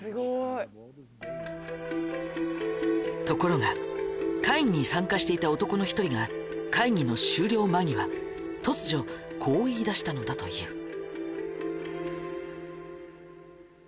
ところが会議に参加していた男の１人が会議の終了間際突如こう言いだしたのだという。